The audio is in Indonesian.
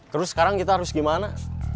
terus sekarang kita harus gimana